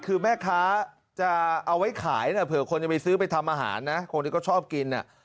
คือแม่ค้าจะเอาไว้ขายนะเผื่อคนจะไปซื้อไปทำอาหารนะคนที่เขาชอบกินน่ะ